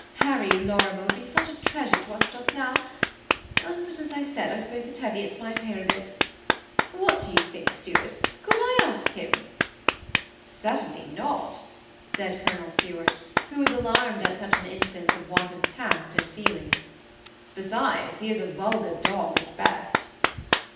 Harry Lorimer would be a treasure to us just now; but, as I said, I suppose the Teviots might hear of it. What do you think, Stuart, could I ask him?" 824 THE SEMI ATTAOHED COUPLE. "CJertainly not," said Colonel Stnart, who was alarmed at such an instance of want of tact and feeling ;" besides^ he is a vulgar dog at best."